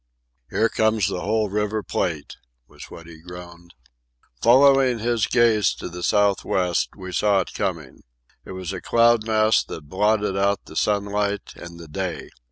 "Here comes the whole River Plate," was what he groaned. Following his gaze to the south west, we saw it coming. It was a cloud mass that blotted out the sunlight and the day.